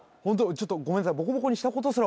ちょっとごめんなさいうわ